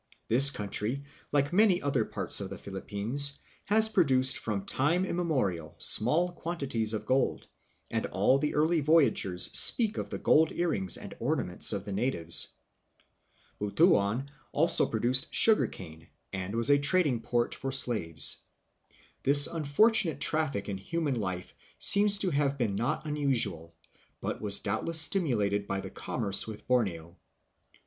This region, like many other parts of the Philippines, has produced from time immemorial small quantities of gold, and all the early voyagers speak of the gold earrings and ornaments of the natives. Butuan also produced sugarcane and was a trading port for 1 Conquistas de las Islas Filipinas, p. 95. THE FILIPINO PEOPLE BEFORE 1521. 101 slaves. This unfortunate traffic in human life seems to have been not unusual, and was doubtless stimulated by the commerce with Borneo.